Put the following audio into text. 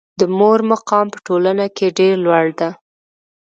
د مور مقام په ټولنه کې ډېر لوړ ده.